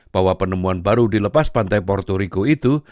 bahwa penemuan baru di lepas pantai porto rico itu